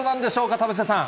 田臥さん。